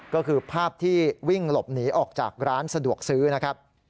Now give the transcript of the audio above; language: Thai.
ก็คือภาพที่วิ่งหลบหนีออกจากร้านสะดวกซื้อนะครับ